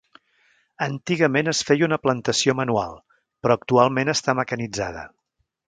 Antigament es feia una plantació manual, però actualment està mecanitzada.